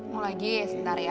mau lagi sebentar ya